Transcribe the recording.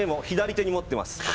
左手に持ってます。